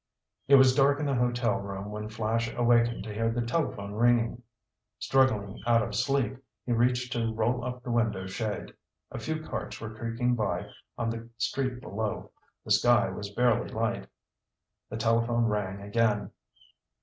It was dark in the hotel room when Flash awakened to hear the telephone ringing. Struggling out of sleep, he reached to roll up the window shade. A few carts were creaking by on the street below. The sky was barely light. The telephone rang again.